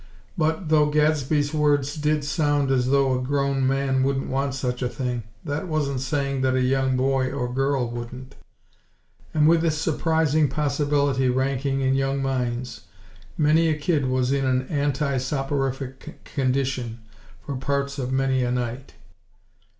But, though Gadsby's words did sound as though a grown man wouldn't want such a thing, that wasn't saying that a young boy or girl wouldn't; and with this surprising possibility ranking in young minds, many a kid was in an anti soporific condition for parts of many a night.